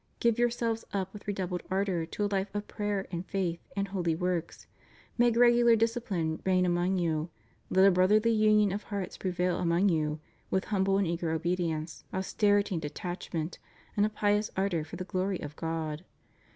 Give yourselves up with redoubled ardor to a life of prayer and faith and holy works; make regular discipline reign among you; let a brotherly union of hearts prevail among you, with humble and eager obedience, austerity and detachment and a pious ardor for the glory of God.